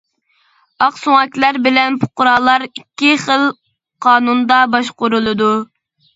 ئاق سۆڭەكلەر بىلەن پۇقرالار ئىككى خىل قانۇندا باشقۇرۇلىدۇ.